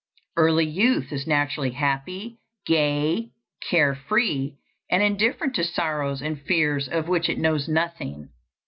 Early youth is naturally happy, gay, care free, and indifferent to sorrows and fears of which it knows nothing.